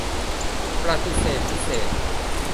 ประติเษธวิเศษณ์